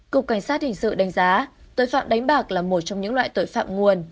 cục cảnh sát hình sự đánh giá tội phạm đánh bạc là một trong những loại tội phạm nguồn